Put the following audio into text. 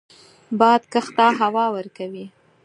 باد کښت ته هوا ورکوي